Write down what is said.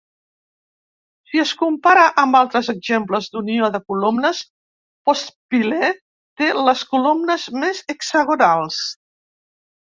Si es compara amb altres exemples d'unió de columnes, Postpile té les columnes més hexagonals.